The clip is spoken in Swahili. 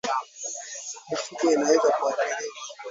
Mifugo inaweza kuathiriwa